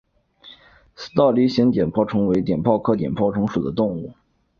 似倒梨形碘泡虫为碘泡科碘泡虫属的动物。